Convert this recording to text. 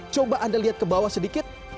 coba anda lihat ke bawah sedikit